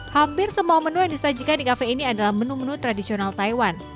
hampir semua menu yang disajikan di kafe ini adalah menu menu tradisional taiwan